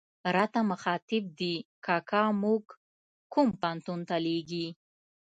راته مخاطب دي، کاکا موږ کوم پوهنتون ته لېږې.